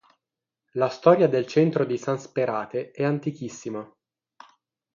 La storia del centro di San Sperate è antichissima.